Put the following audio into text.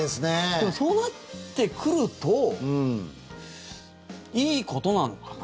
でも、そうなってくるといいことなのかな？